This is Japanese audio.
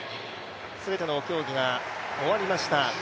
すべての競技が終わりました。